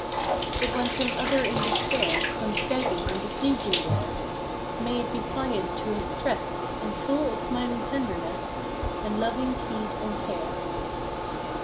But when some other in despair Comes begging and besieging there, May it be pliant to his stress And full of smiling tenderness, And loving heed and care!